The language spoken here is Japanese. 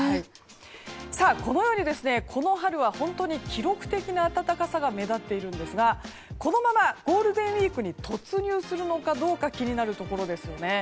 このように、この春は本当に記録的な暖かさが目立っているんですがこのままゴールデンウィークに突入するのかどうか気になるところですよね。